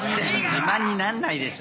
自慢になんないでしょ。